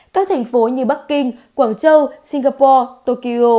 các thành phố như bắc kinh quảng châu singapore